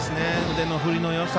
腕の振りのよさ。